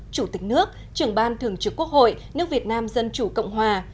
chủ tịch nước trưởng ban thường trực quốc hội nước việt nam dân chủ cộng hòa